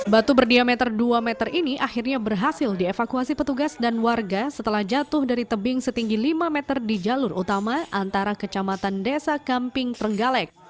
batu berdiameter dua meter ini akhirnya berhasil dievakuasi petugas dan warga setelah jatuh dari tebing setinggi lima meter di jalur utama antara kecamatan desa kamping trenggalek